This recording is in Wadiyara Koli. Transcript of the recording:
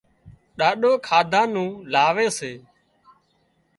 ڏاڏو کاڌا نُون لاوي سي